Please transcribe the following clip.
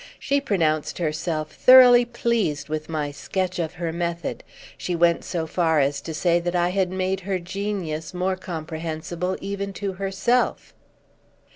She pronounced herself thoroughly pleased with my sketch of her method; she went so far as to say that I had made her genius more comprehensible even to herself."